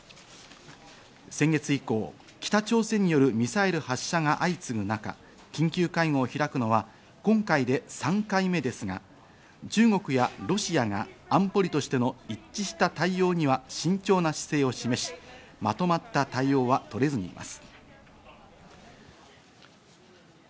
先月以降、北朝鮮によるミサイル発射が相次ぐ中、緊急会合を開くのは今回で３回目ですが、中国やロシアが安保理としての一致した対応には慎重な姿勢を示し、まとまった対応は取れずにいます。